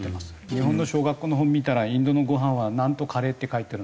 日本の小学校の本見たらインドのごはんはナンとカレーって書いてあるんですよね。